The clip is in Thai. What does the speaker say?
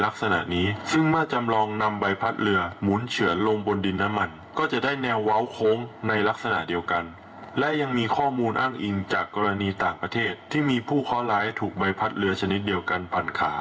เกิดจากการถูกไบพัดเรือปัด